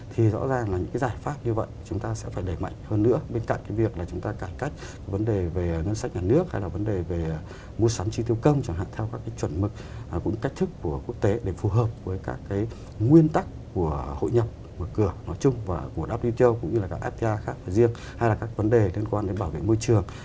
thì rõ ràng là những cái giải pháp như vậy chúng ta sẽ phải đẩy mạnh hơn nữa bên cạnh cái việc là chúng ta cải cách vấn đề về ngân sách nhà nước hay là vấn đề về mua sắm chi tiêu công chẳng hạn theo các cái chuẩn mực cũng cách thức của quốc tế để phù hợp với các cái nguyên tắc của hội nhập của cửa nói chung và của wto cũng như là các fta khác và riêng hay là các vấn đề liên quan đến bảo vệ môi trường